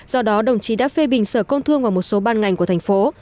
do đó đồng chí đã phê bình sở công thương và một số ban ngành của thành phố